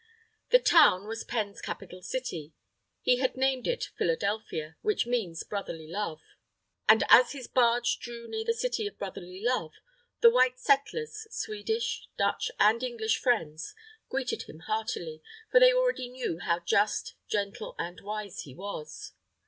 The town was Penn's capital city. He had named it Philadelphia, which means Brotherly Love. And as his barge drew near the City of Brotherly Love, the white settlers, Swedish, Dutch, and English Friends, greeted him heartily, for they already knew how just, gentle, and wise he was.